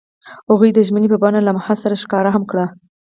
هغوی د ژمنې په بڼه لمحه سره ښکاره هم کړه.